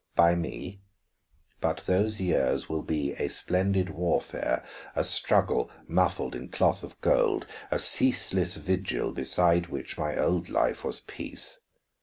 By me; but those years will be a splendid warfare, a struggle muffled in cloth of gold, a ceaseless vigil beside which my old life was peace.